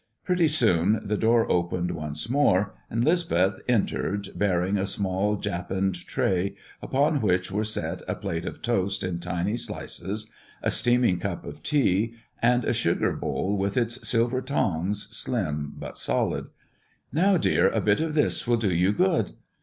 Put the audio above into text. Pretty soon the door opened once more, and 'Lisbeth entered, bearing a small japanned tray, upon which were set a plate of toast in tiny slices, a steaming cup of tea, and a sugar bowl with its pair of silver tongs, slim but solid. "Now, dear, a bit of this will do you good."